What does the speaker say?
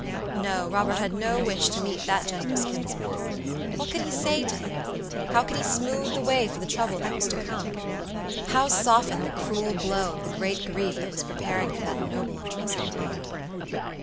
No; Robert had no wish to meet that generous kinsman. What could he say to him? How could he smooth the way to the trouble that was to come?how soften the cruel blow of the great grief that was preparing for that noble and trusting heart?